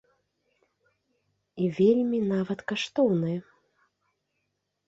І вельмі нават каштоўнае.